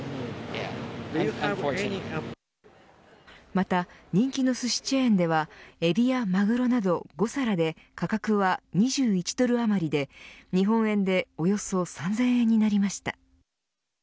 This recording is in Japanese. また人気のすしチェーンではエビやマグロなど５皿で価格は２１ドルあまりで日本円でおよそ３０００円になりました。